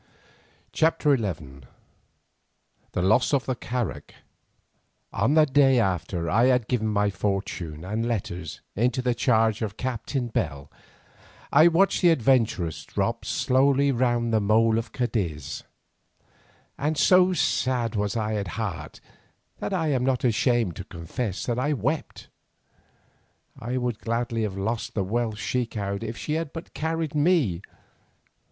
CHAPTER XI THE LOSS OF THE CARAK On the day after I had given my fortune and letters into the charge of Captain Bell, I watched the "Adventuress" drop slowly round the mole of Cadiz, and so sad was I at heart, that I am not ashamed to confess I wept. I would gladly have lost the wealth she carried if she had but carried me.